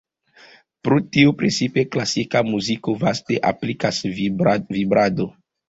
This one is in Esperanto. Pro tio precipe klasika muziko vaste aplikas vibrado.